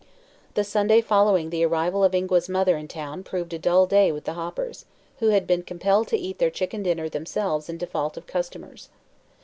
The Sunday following the arrival of Ingua's mother in town proved a dull day with the Hoppers, who had been compelled to eat their chicken dinner themselves in default of customers.